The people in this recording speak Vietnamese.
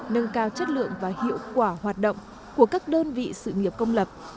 nâng cao chất lượng và hiệu quả hoạt động của các đơn vị sự nghiệp công lập